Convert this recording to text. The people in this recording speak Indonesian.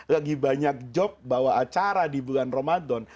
lagi banyak joke bawa acara di bulan ramadan